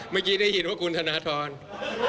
เมื่อกี้ได้ยินว่าคุณธนทร